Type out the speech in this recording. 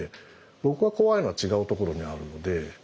僕が怖いのは違うところにあるので。